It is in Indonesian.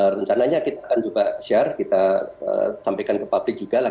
rencananya kita akan juga share kita sampaikan ke publik juga lah